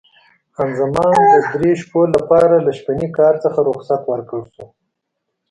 خان زمان د درې شپو لپاره له شپني کار څخه رخصت ورکړل شوه.